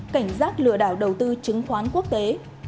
cảnh giác lừa đảo đầu tư chứng khoán quốc tế